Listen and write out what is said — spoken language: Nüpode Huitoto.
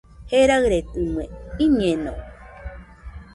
Jeraɨredɨmɨe, iñeno